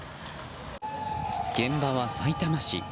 現場はさいたま市。